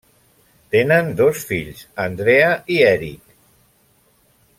Tenen dos fills, Andrea i Eric.